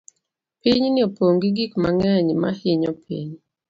Pinyni opong' gi gik mang'eny ma hinyo piny.